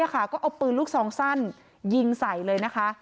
ก็เอาปืนลูกซองสั้นยิงใส่เลยนะคะ